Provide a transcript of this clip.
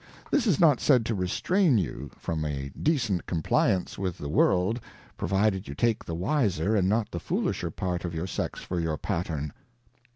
This is not said to restrain you from a decent Compliance with the World, provided you take the wiser, and not the foolisher part of your Sex for your Pattern.